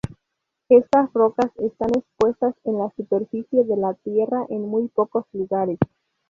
Estas rocas están expuestas en la superficie de la Tierra en muy pocos lugares.